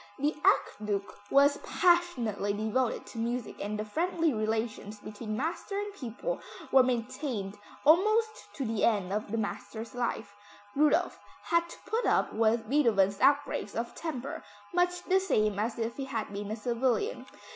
The Archduke was passionately devoted to music and the friendly relations between master and pupil were maintained almost to the end of the master's life. Rudolph had to put up with Beethoven's outbreaks of temper much the same as if he had been a civilian.